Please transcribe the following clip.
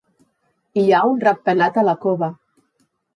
Hi ha un ratpenat a la cova.